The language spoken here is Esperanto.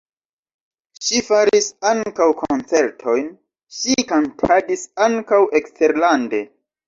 Ŝi faris ankaŭ koncertojn, ŝi kantadis ankaŭ eksterlande.